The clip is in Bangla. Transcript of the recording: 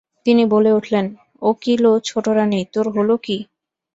তিনি বলে উঠলেন, ও কী লো ছোটোরানী, তোর হল কী?